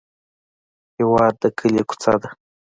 هېواد د کلي کوڅه ده.